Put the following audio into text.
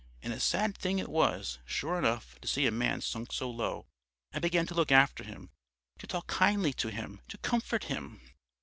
And a sad thing it was, sure enough, to see a man sunk so low. I began to look after him, to talk kindly to him, to comfort him.